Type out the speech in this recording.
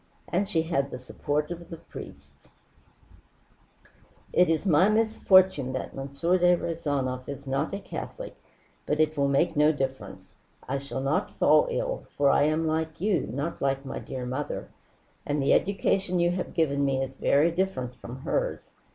And she had the support of the priests." "It is my misfortune that M. de Rezanov is not a Catholic, but it will make no difference. I shall not fall ill, for I am like you, not like my dear mother and the education you have given me is very different from hers.